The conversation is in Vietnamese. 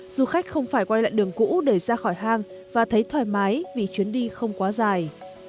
du khách không phải quay lại đường cũ để ra khỏi hang và thấy thoải mái vì chuyến đi không quá dài